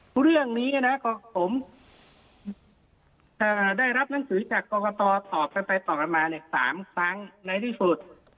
คุณเรื่องนี้นะผมได้รับหนังสือจากกรกตตอบกันไปต่อมา๓ครั้งในที่สุด